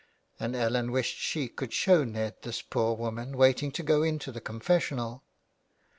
And Ellen wished she could show Ned this poor woman waiting to go into the confessional.